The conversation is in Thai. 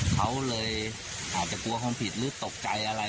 เขาเลยอาจจะกลัวความผิดหรือตกใจอะไร